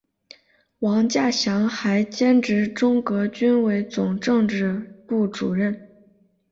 王稼祥还兼任中革军委总政治部主任。